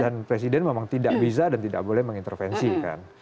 dan presiden memang tidak bisa dan tidak boleh mengintervensi kan